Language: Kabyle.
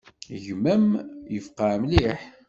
Gma-m yefqeɛ mliḥ.